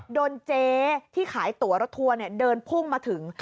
เจ๊ที่ขายตัวรถทัวร์เดินพุ่งมาถึง